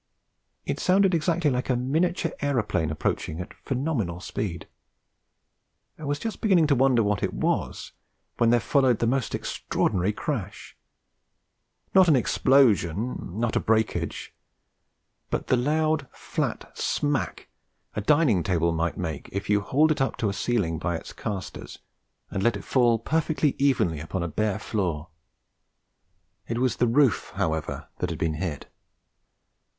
It sounded exactly like a miniature aeroplane approaching at phenomenal speed. I was just beginning to wonder what it was when there followed the most extraordinary crash. Not an explosion; not a breakage; but the loud flat smack a dining table might make if you hauled it up to a ceiling by its castors and let it fall perfectly evenly upon a bare floor. It was the roof, however, that had been hit.